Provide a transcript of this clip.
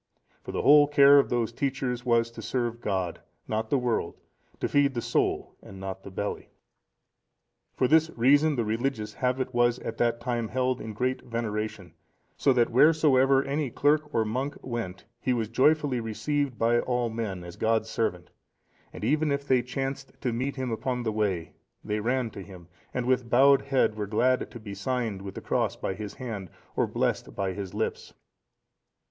For the whole care of those teachers was to serve God, not the world—to feed the soul, and not the belly. For this reason the religious habit was at that time held in great veneration; so that wheresoever any clerk or monk went, he was joyfully received by all men, as God's servant; and even if they chanced to meet him upon the way, they ran to him, and with bowed head, were glad to be signed with the cross by his hand, or blessed by his lips.